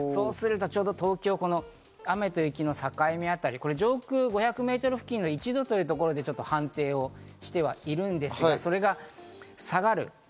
そうすると、ちょうど東京、雨と雪の境目あたり、上空５００メートル付近の１度というところで判定をしてはいるんですが、それが下がる。